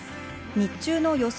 日中の予想